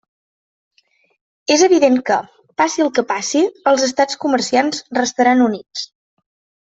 És evident que, passi el que passi, els estats comerciants restaran units.